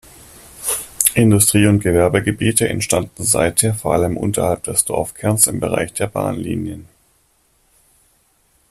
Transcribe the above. Industrie- und Gewerbegebiete entstanden seither vor allem unterhalb des Dorfkerns im Bereich der Bahnlinien.